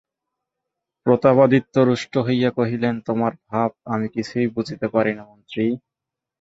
প্রতাপাদিত্য রুষ্ট হইয়া কহিলেন, তোমার ভাব আমি কিছুই বুঝিতে পারি না মন্ত্রী।